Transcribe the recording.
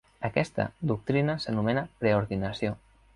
Aquesta doctrina s'anomena "preordinació".